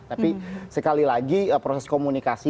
tapi sekali lagi proses komunikasi